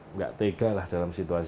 nggak tega lah dalam situasi